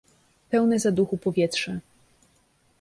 "Pełne zaduchu powietrze."